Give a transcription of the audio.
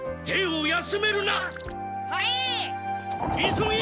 急げ！